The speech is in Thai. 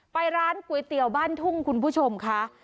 ไปร้านก๋วยเตี๋ยวบ้านทุ่งคุณผู้ชมค่ะ